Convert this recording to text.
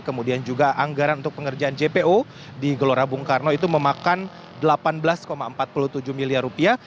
kemudian juga anggaran untuk pengerjaan jpo di gelora bung karno itu memakan delapan belas empat puluh tujuh miliar rupiah